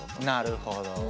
なるほど。